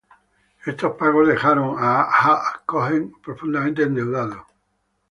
Estos pagos dejaron a Anhalt-Köthen profundamente endeudado.